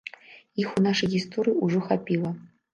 Іх у нашай гісторыі ўжо хапіла.